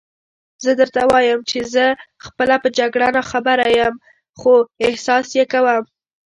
زه درته وایم چې زه خپله په جګړه ناخبره یم، خو احساس یې کوم.